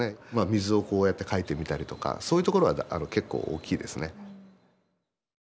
水をこうやって描いてみたりとかそういうところが結構大きいですね。